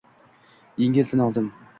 Engil tin oldim